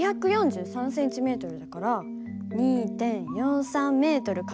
２４３ｃｍだから２．４３ｍ×１４０。